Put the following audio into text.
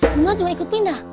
mama juga ikut pindah